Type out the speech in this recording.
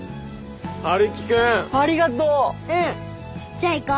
じゃあ行こ。